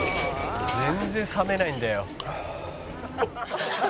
「全然冷めないんだよ」